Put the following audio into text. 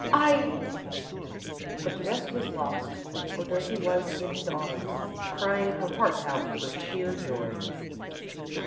I ," but the rest was lost, for Dorothy was in his arms, crying her heart out for sheer joy.